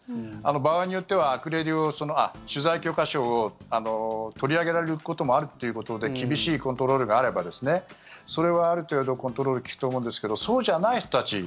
場合によってはアクレディを取材許可証を取り上げられることもあるっていうことで厳しいコントロールがあればそれは、ある程度コントロール利くと思うんですけどそうじゃない人たち。